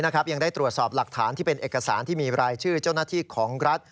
ยังได้ตรวจสอบหลักฐานที่เป็นเอกสารที่มีรายชื่อเจ้าหน้าที่ของรัฐ